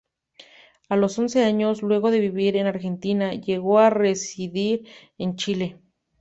A los once años, luego de vivir en Argentina, llegó a residir en Chile.